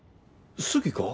好きか？